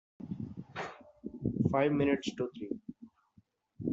Five minutes to three!